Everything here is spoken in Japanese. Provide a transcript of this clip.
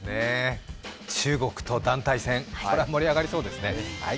中国と団体戦、これは盛り上がりそうですね。